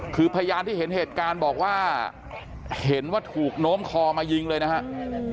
คือพยานที่เห็นเหตุการณ์บอกว่าเห็นว่าถูกโน้มคอมายิงเลยนะครับ